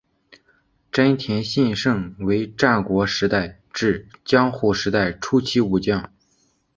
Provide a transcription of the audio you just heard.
真田信胜为战国时代至江户时代初期武将。